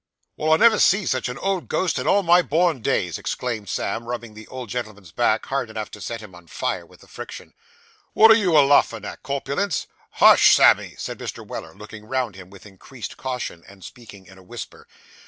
'Well, I never see sitch an old ghost in all my born days,' exclaimed Sam, rubbing the old gentleman's back, hard enough to set him on fire with the friction. 'What are you a laughin' at, corpilence?' 'Hush! Sammy,' said Mr. Weller, looking round him with increased caution, and speaking in a whisper.